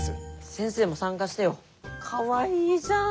先生も参加してよ。かわいいじゃん！